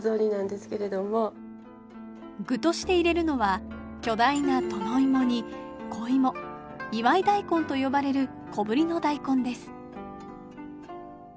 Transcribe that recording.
具として入れるのは巨大な殿芋に小芋祝い大根と呼ばれる小ぶりの大根です。